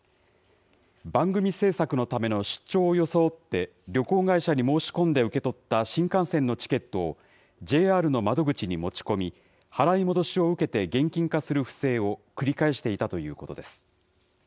番組制作のための出張を装って旅行会社に申し込んで受け取った新幹線のチケットをＪＲの窓口に持ち込み、払い戻しを受けて現金化する不正を繰り返していたということです。